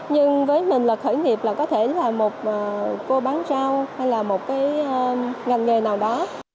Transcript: nhưng với mình là khởi nghiệp là có thể là một cô bán rau hay là một cái ngành nghề nào đó